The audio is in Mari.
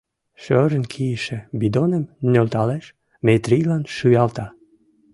Шӧрын кийыше бидоным нӧлталеш, Метрийлан шуялта.